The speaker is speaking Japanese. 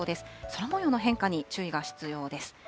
空もようの変化に注意が必要です。